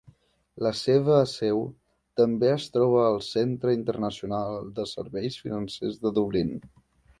La seva seu també es troba al Centre Internacional de Serveis Financers de Dublín.